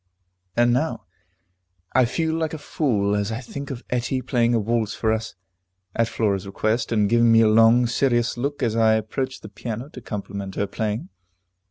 And now I feel like a fool as I think of Etty playing a waltz for us, at Flora's request, and giving me a long, serious look as I approached the piano to compliment her playing.